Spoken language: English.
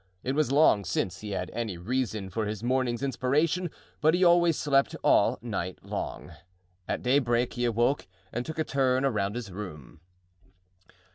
It was long since he had any reason for his morning's inspiration, but he always slept all night long. At daybreak he awoke and took a turn around his room.